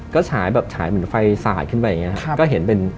ก็ฉายแบบฉายเหมือนไฟสาดขึ้นไปอย่างนี้ครับก็เห็นเป็น